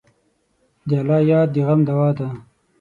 د الله یاد د غم دوا ده.